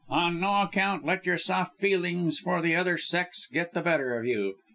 On no account let your soft feelings with regard to the other sex get the better of you.